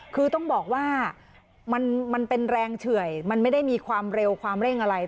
คือต้องบอกว่ามันเป็นแรงเฉื่อยมันไม่ได้มีความเร็วความเร่งอะไร